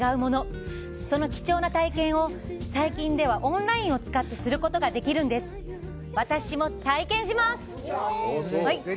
その貴重な体験を最近ではオンラインを使ってすることができるんです私も体験します！